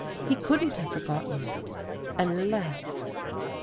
He couldn't have forgotten it, unless